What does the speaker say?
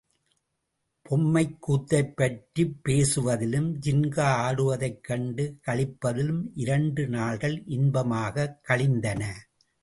பொம்மைக்கூத்தைப்பற்றிப் பேசுவதிலும், ஜின்கா ஆடுவதைக் கண்டு களிப்பதிலும் இரண்டு நாள்கள் இன்பமாகக் கழிந்தன.